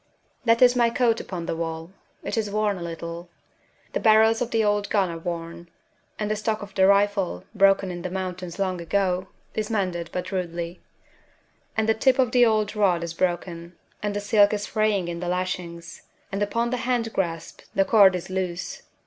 That is my coat upon the wall. It is worn, a little. The barrels of the old gun are worn; and the stock of the rifle, broken in the mountains long ago, is mended but rudely; and the tip of the old rod is broken, and the silk is fraying in the lashings, and upon the hand grasp the cord is loose.